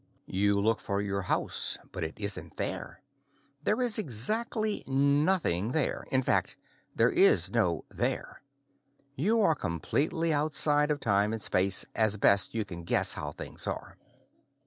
You look for your house, but it isn't there. There is exactly nothing there in fact, there is no there. You are completely outside of time and space, as best you can guess how things are.